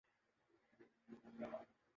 کس حرف پہ تو نے گوشۂ لب اے جان جہاں غماز کیا